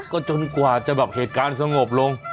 ก็จนกว่าจะแบบเหตุการณ์สงบลง